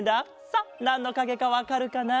さあなんのかげかわかるかな？